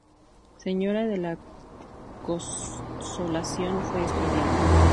Señora de la Consolación fue escondida.